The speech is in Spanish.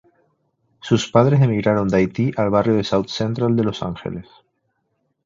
Sus padres emigraron de Haití al barrio de South Central de Los Ángeles.